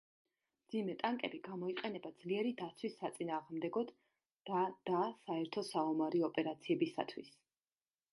მძიმე ტანკები გამოიყენება ძლიერი დაცვის საწინააღმდეგოდ და და საერთო საომარი ოპერაციებისათვის.